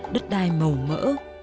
đất đai màu mỡ